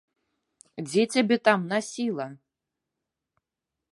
Дзе цябе там насіла?